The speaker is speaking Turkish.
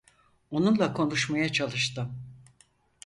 Onunla konuşmaya çalıştım.